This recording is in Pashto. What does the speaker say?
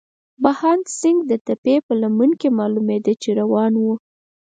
بهاند سیند د تپې په لمن کې معلومېده، چې روان وو.